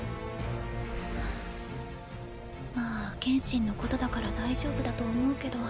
まあ剣心のことだから大丈夫だと思うけど。